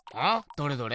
どれどれ。